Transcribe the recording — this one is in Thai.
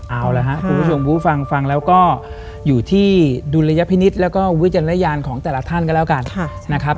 เอาละฮะคุณผู้ชมฟังแล้วก็อยู่ที่ดุลยภินิษฐ์แล้วก็วิจารณญาณของแต่ละท่านกันแล้วกัน